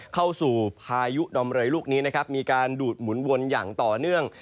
เข้าสู่พายุดอมเรยลูกนี้นะครับมีการดูดหมุนวนอย่างต่อเนื่อง